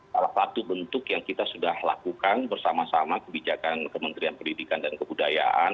salah satu bentuk yang kita sudah lakukan bersama sama kebijakan kementerian pendidikan dan kebudayaan